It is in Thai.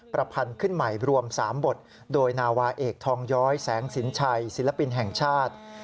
ประพันธ์ขึ้นใหม่รวม๓บทโดยนาวาเอกทองย้อยแสงสินชัยศิลปินแห่งชาติ